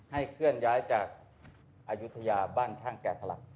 เคลื่อนย้ายจากอายุทยาบ้านช่างแก่สลัก